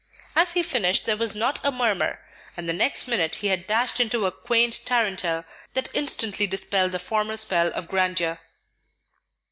As he finished, there was not a murmur; and the next minute he had dashed into a quaint tarantelle that instantly dispelled the former spell of grandeur.